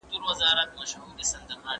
که باران وریږي نو موږ به په خونه کې پاتې شو.